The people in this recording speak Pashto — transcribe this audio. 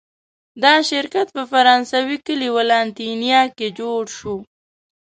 دا شرکت په فرانسوي کلي ولانتینیه کې جوړ شو.